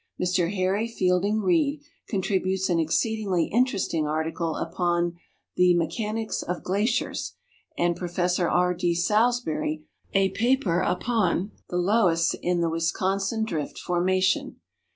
Mr Harry Fieliling Keid contributes an exceedingly interesting article upon the "Mechanics of Glaciers," and Prof. R. D. Salisbury a paperupon " The Loe ss in the Wis consin Drift Formation."